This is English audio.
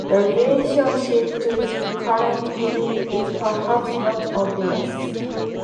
The relationship to the current meaning is perhaps not obvious.